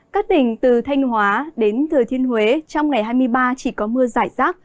các tỉnh từ thanh hóa đến thừa thiên huế trong ngày hai mươi ba chỉ có mưa giải rác